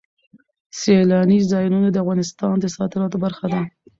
سیلانی ځایونه د افغانستان د صادراتو برخه ده.